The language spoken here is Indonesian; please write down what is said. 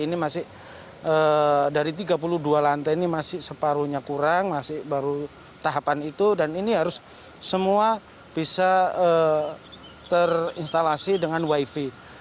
ini masih dari tiga puluh dua lantai ini masih separuhnya kurang masih baru tahapan itu dan ini harus semua bisa terinstalasi dengan wifi